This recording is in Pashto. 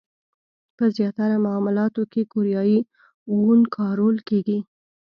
په زیاتره معاملاتو کې کوریايي وون کارول کېږي.